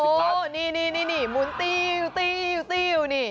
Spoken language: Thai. โอ้นี่หมุนติ้วนี่